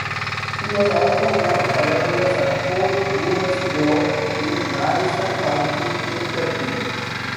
He was also one of the pioneers at Fort Boonesborough in Madison County, Kentucky.